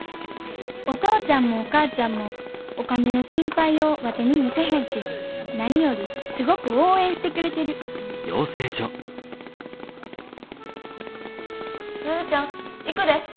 お父ちゃんもお母ちゃんもお金の心配をワテに見せへんし何よりすごく応援してくれてる鈴ちゃん行くで。